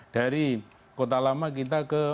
dari kota lama kita ke